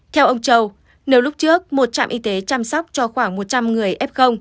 theo ông châu nếu lúc trước một trạm y tế chăm sóc cho khoảng một trăm linh người f